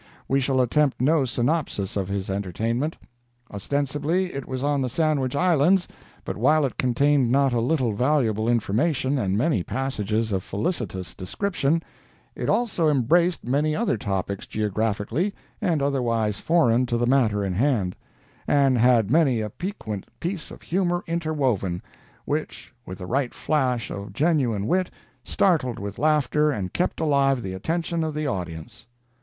We shall attempt no synopsis of his entertainment. Ostensibly it was on the Sandwich Islands but while it contained not a little valuable information and many passages of felicitous description, it also embraced many other topics geographically and otherwise foreign to the matter in hand, and had many a piquant piece of humor interwoven, which, with the bright flash of genuine wit, startled with laughter and kept alive the attention of the audience."